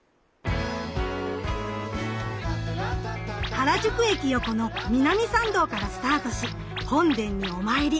原宿駅横の南参道からスタートし本殿にお参り。